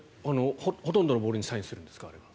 ほとんどのボールにサインしてるんですか？